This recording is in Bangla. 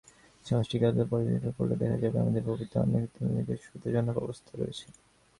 সামষ্টিক অর্থনীতি পর্যালোচনা করলে দেখা যাবে, আমাদের প্রবৃদ্ধি, অর্থনৈতিক সূচক সুবিধাজনক অবস্থায় রয়েছে।